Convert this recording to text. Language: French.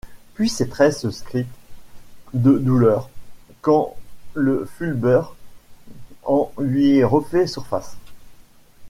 Puis ses traits se crispent de douleur, quand le Fulbert en lui refait surface.